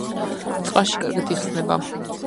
წყალში კარგად იხსნება.